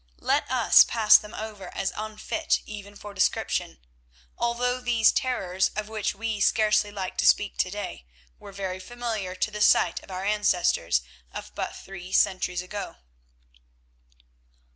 Let us pass them over as unfit even for description, although these terrors, of which we scarcely like to speak to day, were very familiar to the sight of our ancestors of but three centuries ago.